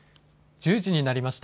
１０時になりました。